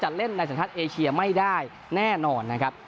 เล่นในสัญชาติเอเชียไม่ได้แน่นอนนะครับ